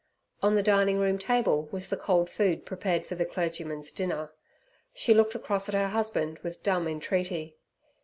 On the dining room table was the cold food prepared for the clergyman's dinner. She looked across at her husband with dumb entreaty.